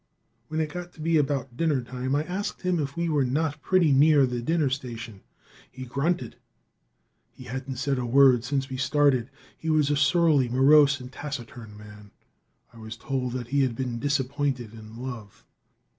When it got to be about dinner time, I asked him if we were not pretty near the dinner station. He grunted. He hadn't said a word since we started. He was a surly, morose and taciturn man. I was told that he had been disappointed in love.